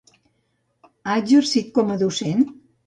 Ha exercit com a docent?